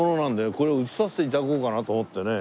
これを映させて頂こうかなと思ってね。